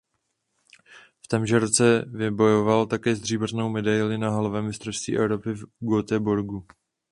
V témže roce vybojoval také stříbrnou medaili na halovém mistrovství Evropy v Göteborgu.